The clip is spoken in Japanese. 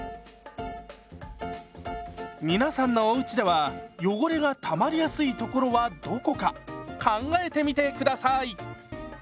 皆さんのおうちでは汚れがたまりやすい所はどこか考えてみて下さい！